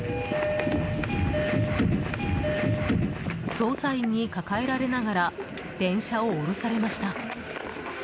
捜査員に抱えられながら電車を降ろされました。